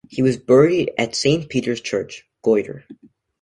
He was buried at Saint Peter's Church, Goytre.